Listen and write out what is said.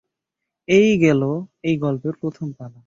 এই গেল এই গল্পের প্রথম পালা।